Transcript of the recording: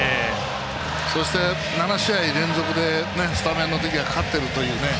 そして、７試合連続でスタメンの時は勝っているというね。